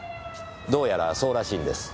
どうやらそうらしいんです。